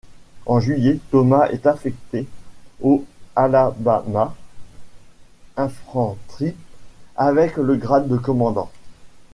En juillet, Thomas est affecté au Alabama Infantry avec le grade de commandant.